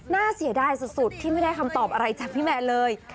น่าเสียดายสุดที่ไม่ได้คำตอบอะไรจากพี่แมนเลย